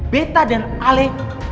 beta dan ale